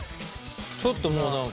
ちょっともう何かね。